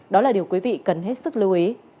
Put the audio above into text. đó là điều quý vị cần hết sức lưu ý